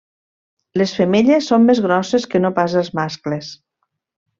Les femelles són més grosses que no pas els mascles.